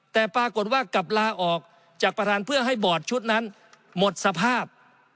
แต่ปรากฏว่ากลับลาออกจากประธานเพื่อให้บอร์ดชุดนั้นหมดสภาพ